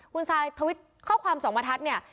คุณซายทวิตข้อความสองประทัดเนี่ย